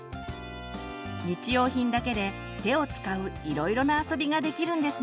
日用品だけで手を使ういろいろな遊びができるんですね。